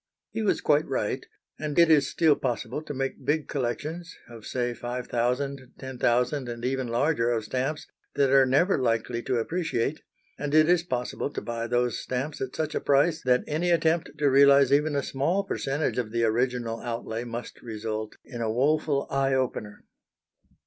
He was quite right, and it is still possible to make big collections of, say, five thousand, ten thousand, and even larger of stamps that are never likely to appreciate, and it is possible to buy those stamps at such a price that any attempt to realise even a small percentage of the original outlay must result in a woeful eye opener.